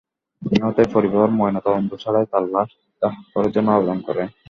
নিহতের পরিবার ময়নাতদন্ত ছাড়াই তাঁর লাশ দাহ করার জন্য আবেদন করে।